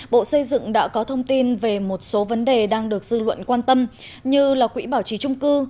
bộ xây dựng đã có thông tin về một số vấn đề đang được dư luận quan tâm như là quỹ bảo trì trung cư